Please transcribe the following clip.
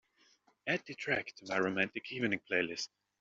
Add the track to my romantic evening playlist.